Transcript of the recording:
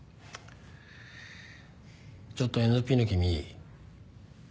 ちょっとＮＰの君。